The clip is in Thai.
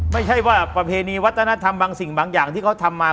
ไม่ใช่ว่าประเพณีวัฒนธรรมบางสิ่งบางอย่างที่เขาทำมา